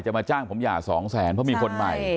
จะมาจ้างผมหญา๒๐๐๐๐๐เพราะมีคนใหม่